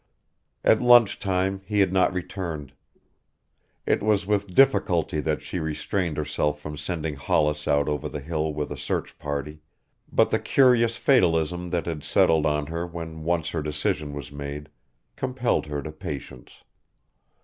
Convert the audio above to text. At lunch time he had not returned. It was with difficulty that she restrained herself from sending Hollis out over the hill with a search party, but the curious fatalism that had settled on her when once her decision was made, compelled her to patience.